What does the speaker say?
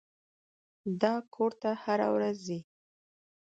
دا کور ته هره ورځ ځي.